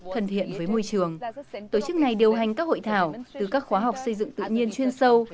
thân thiện với môi trường tổ chức này điều hành các hội thảo từ các khóa học xây dựng tự nhiên chuyên sâu